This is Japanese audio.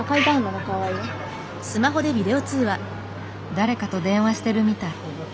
誰かと電話してるみたい。